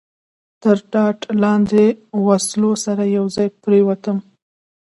تر ټاټ لاندې له وسلو سره یو ځای پرېوتم.